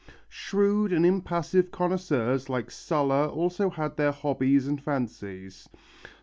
Shrewd and impassive connoisseurs like Sulla also had their hobbies and fancies.